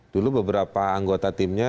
dulu beberapa anggota timnya